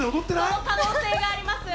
その可能性があります。